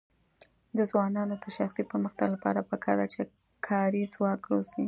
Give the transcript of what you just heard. د ځوانانو د شخصي پرمختګ لپاره پکار ده چې کاري ځواک روزي.